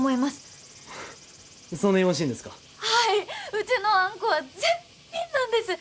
うちのあんこは絶品なんです。